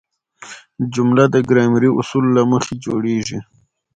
جمله د ګرامري اصولو له مخه جوړیږي.